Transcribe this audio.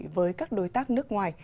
với các đối tác nước ngoài